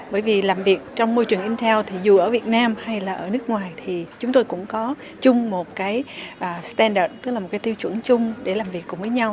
bởi vì làm việc trong môi trường intel thì dù ở việt nam hay là ở nước ngoài thì chúng tôi cũng có chung một cái standard tức là một cái tiêu chuẩn chung để làm việc cùng với nhau